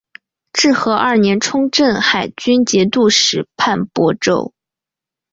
至和二年充镇海军节度使判亳州。